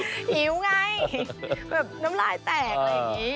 หิวไงแบบน้ำลายแตกอะไรอย่างนี้